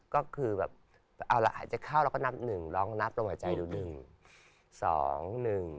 ก็คือแบบเอาละอาจจะเข้าเราก็นับหนึ่งลองนับลงหัวใจดูหนึ่งสองหนึ่ง